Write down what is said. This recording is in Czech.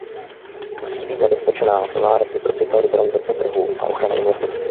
Musí být zabezpečená plná reciprocita liberalizace trhu a ochrany investic.